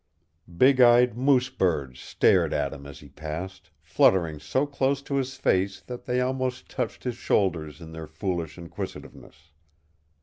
Big eyed moose birds stared at him as he passed, fluttering so close to his face that they almost touched his shoulders in their foolish inquisitiveness.